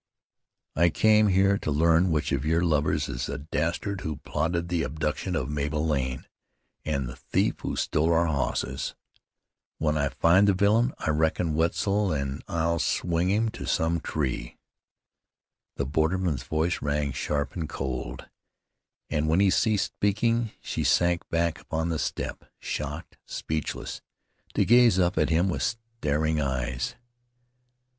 "I come here to learn which of your lovers is the dastard who plotted the abduction of Mabel Lane, an' the thief who stole our hosses. When I find the villain I reckon Wetzel an' I'll swing him to some tree." The borderman's voice rang sharp and cold, and when he ceased speaking she sank back upon the step, shocked, speechless, to gaze up at him with staring eyes.